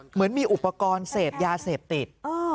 เหมือนมีอุปกรณ์เสพยาเสพติด